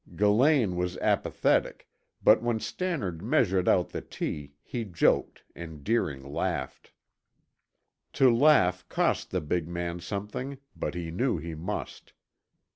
Gillane was apathetic, but when Stannard measured out the tea he joked and Deering laughed. To laugh cost the big man something, but he knew he must.